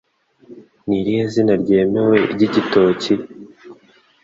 Ni irihe zina ryemewe ry'igitoki?